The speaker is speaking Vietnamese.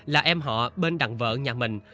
là em họ bên đặng vợ nhà mình